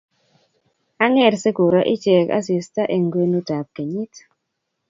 ang'er sikuroo ichek asista eng' kwenutab kenyit